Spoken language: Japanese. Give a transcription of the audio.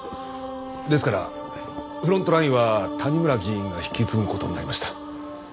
ですからフロントラインは谷村議員が引き継ぐ事になりました。